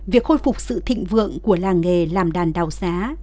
việc khôi phục sự thịnh vượng của làng nghề làm đàn đào xá